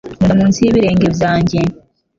Nkunda munsi y'ibirenge byanjye